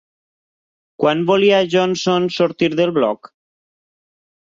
Quan volia Johnson sortir del bloc?